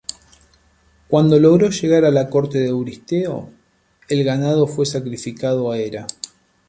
Cuando logró llegar a la corte de Euristeo, el ganado fue sacrificado a Hera.